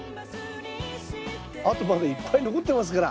あとまだいっぱい残ってますから。